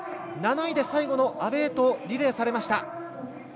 ７位で最後の阿部へとリレーされました。